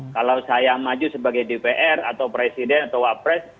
kalau saya maju sebagai dpr atau presiden atau wapres